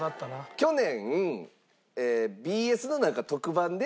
去年ＢＳのなんか特番で。